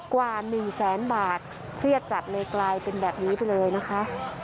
กว่าหนึ่งแสนบาทเพื่อจัดเลขรายเป็นแบบนี้ไปเลยนะคะ